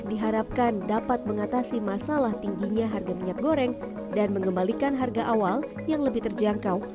diharapkan dapat mengatasi masalah tingginya harga minyak goreng dan mengembalikan harga awal yang lebih terjangkau